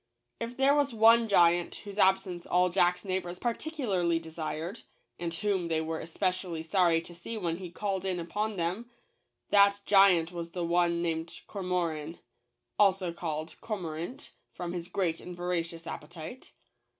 If there was one giant whose absence all Jack's neighbors particularly de sired, and whom they were especially sorry to see when he called in upon them, that giant was the one named Cormoran (also called Cormorant from his great and voracious appetite.)